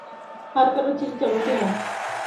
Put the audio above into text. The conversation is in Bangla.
অন্য কারোর চিঠির জবাব দিই নি।